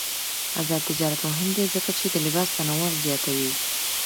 آزاد تجارت مهم دی ځکه چې د لباس تنوع زیاتوي.